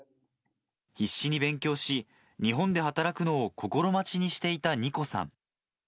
必死に勉強し、日本で働くのを心待ちにしていたニコさん。